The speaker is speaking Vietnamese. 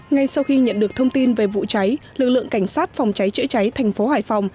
ngay sau khi nhận được thông tin về vụ cháy lực lượng cảnh sát phòng cháy chữa cháy thành phố hải phòng